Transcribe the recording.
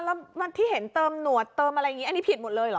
แล้วที่เห็นเติมหนวดเติมอะไรอย่างนี้อันนี้ผิดหมดเลยเหรอ